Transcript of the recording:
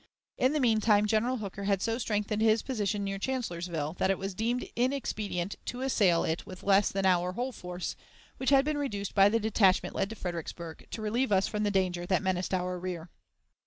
In the mean time General Hooker had so strengthened his position near Chancellorsville, that it was deemed inexpedient to assail it with less than our whole force, which had been reduced by the detachment led to Fredericksburg to relieve us from the danger that menaced our rear.